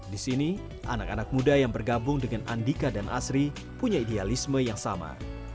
di sini anak anak muda yang bergabung dengan andika dan asri punya idealisme yang sama